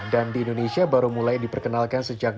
dan di indonesia baru mulai diperkenalkan sejak tahun dua ribu